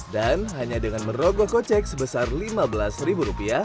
dan hanya dengan merogoh kocek sebesar rp lima belas